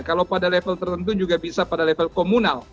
kalau pada level tertentu juga bisa pada level komunal